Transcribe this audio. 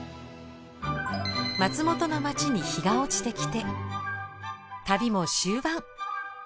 松本の町に日が落ちてきて旅も終盤。